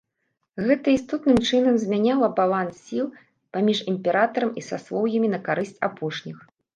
Гэта істотным чынам змяняла баланс сіл паміж імператарам і саслоўямі на карысць апошніх.